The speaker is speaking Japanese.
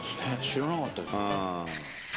知らなかったです